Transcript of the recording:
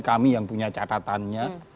kami yang punya catatannya